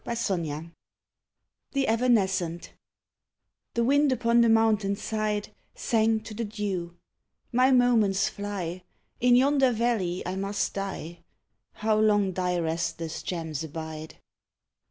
24 THE EVANESCENT The wind upon the mountain side Sang to the dew: "My moments fly: In yonder valley I must die. How long thy restless gems abide!"